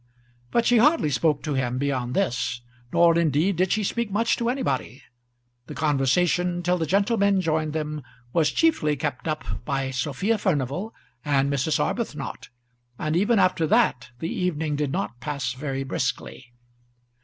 But she hardly spoke to him beyond this, nor indeed did she speak much to anybody. The conversation, till the gentlemen joined them, was chiefly kept up by Sophia Furnival and Mrs. Arbuthnot, and even after that the evening did not pass very briskly.